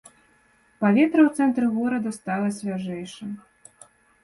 Паветра ў цэнтры горада стала свяжэйшым.